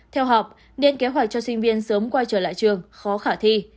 theo học nên kế hoạch cho sinh viên sớm quay trở lại trường khó khả thi